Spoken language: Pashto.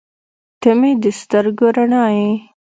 • ته مې د سترګو رڼا یې.